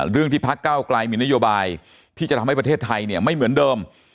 เรื่องที่พระเก้ากลายมีนโยบายที่จะทำให้ประเทศไทยไม่เหมือนเดิม